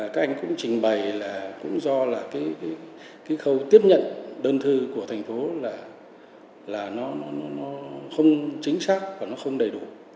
các anh cũng trình bày là cũng do là cái khâu tiếp nhận đơn thư của thành phố là nó không chính xác và nó không đầy đủ